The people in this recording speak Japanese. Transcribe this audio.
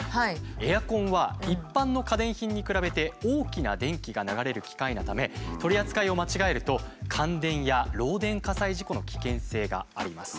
エアコンは一般の家電品に比べて大きな電気が流れる機械なため取り扱いを間違えると感電や漏電火災事故の危険性があります。